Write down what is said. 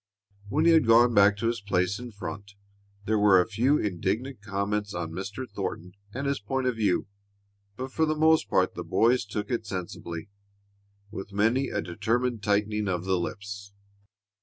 When he had gone back to his place in front there were a few indignant comments on Mr. Thornton and his point of view, but for the most part the boys took it sensibly, with many a determined tightening of the lips.